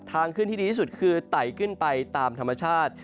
ทางขึ้นที่ดีที่สุดคือไต่ขึ้นไปตามธรรมชาติ